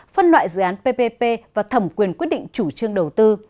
phân loại dự án ppp và thẩm quyền quyết định chủ trương đầu tư